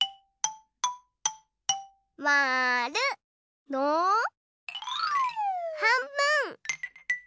まる！のはんぶん！